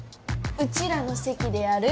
うちらの席でやる？